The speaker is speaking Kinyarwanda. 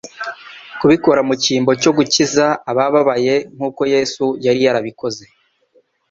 kubikora mu cyimbo cyo gukiza abababaye nk’uko Yesu yari yabikoze.